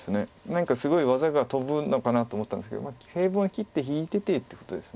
何かすごい技が飛ぶのかなと思ったんですけど平凡に切って引いててってことです。